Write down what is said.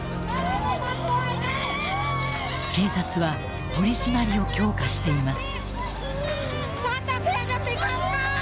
警察は取締りを強化しています。